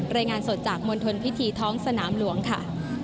รายงานสดจากมณฑลพิธีท้องสนามหลวงค่ะ